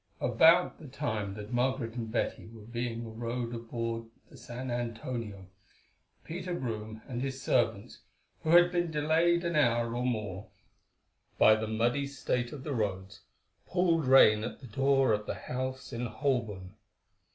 About the time that Margaret and Betty were being rowed aboard the San Antonio, Peter Brome and his servants, who had been delayed an hour or more by the muddy state of the roads, pulled rein at the door of the house in Holborn.